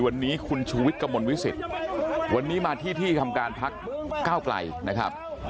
วันนี้คุณชูวิทย์กระมวลวิสิตวันนี้มาที่ที่ทำการพักก้าวไกลนะครับ